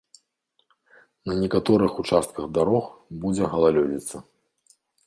На некаторых участках дарог будзе галалёдзіца.